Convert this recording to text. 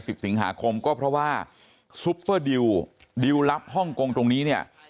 สิงหาคมก็เพราะว่าซุปเปอร์ดิวดิวลลับฮ่องกงตรงนี้เนี่ย